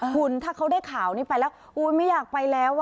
คุณถ้าเขาได้ข่าวนี้ไปแล้วอุ๊ยไม่อยากไปแล้ว